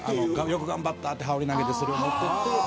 よく頑張ったって羽織投げてそれを持っていって。